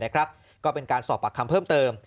ก็เป็นการสอบปากคำเพิ่มเติม